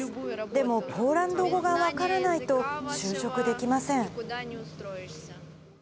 でも、ポーランド語が分からないと、就職できません。